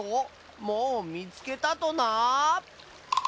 もうみつけたとな？